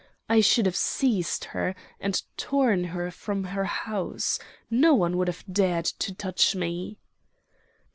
"I should have seized her, and torn her from her house! No one would have dared to touch me!"